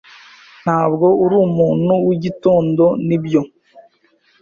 Ntabwo uri umuntu wigitondo, nibyo?